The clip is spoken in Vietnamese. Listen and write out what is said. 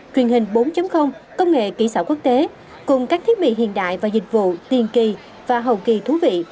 truyền hình bốn công nghệ kỹ xảo quốc tế cùng các thiết bị hiện đại và dịch vụ tiền kỳ và hầu kỳ thú vị